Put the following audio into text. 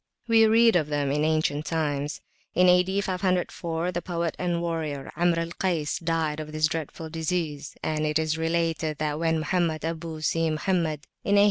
We read of them in ancient times. In A.D. 504, the poet and warrior, Amr al Kays, died of this dreadful disease, and it is related that when Mohammed Abu Si Mohammed, in A.